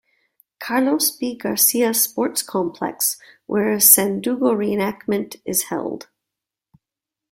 Carlos P. Garcia Sports Complex where a Sandugo Re-enactment is held.